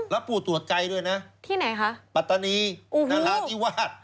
อ๋อที่ไหนคะปัตตานีนราชิวาส